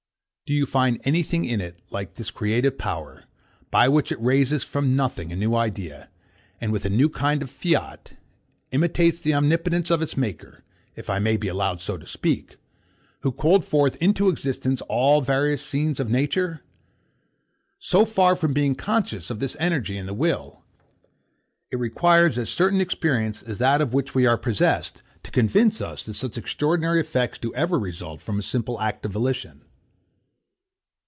Do you find anything in it like this creative power, by which it raises from nothing a new idea, and with a kind of Fiat, imitates the omnipotence of its Maker, if I may be allowed so to speak, who called forth into existence all the various scenes of nature? So far from being conscious of this energy in the will, it requires as certain experience as that of which we are possessed, to convince us that such extraordinary effects do ever result from a simple act of volition.